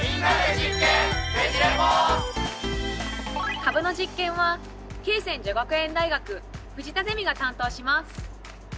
カブの実験は恵泉女学園大学藤田ゼミが担当します。